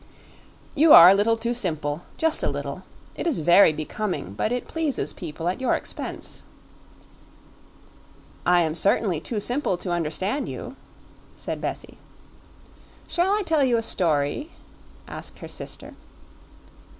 "You are a little too simple; just a little. It is very becoming, but it pleases people at your expense." "I am certainly too simple to understand you," said Bessie. "Shall I tell you a story?" asked her sister.